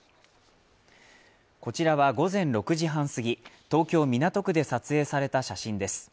こちらは午前６時半すぎ、東京・港区で撮影された写真です。